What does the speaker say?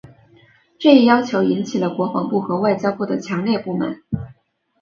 这一要求引起了国防部和外交部的强烈不满。